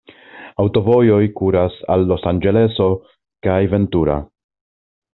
Aŭtovojoj kuras al Los-Anĝeleso kaj Ventura.